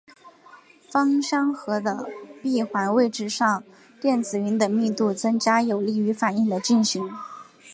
芳香核的闭环位置上电子云的密度增加有利于反应的进行。